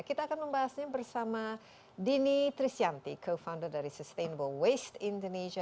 kita akan membahasnya bersama dini trisyanti co founder dari sustainable waste indonesia